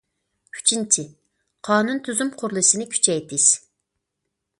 ئۈچىنچى، قانۇن- تۈزۈم قۇرۇلۇشىنى كۈچەيتىش.